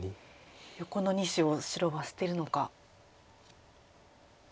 この２子を白は捨てるのか。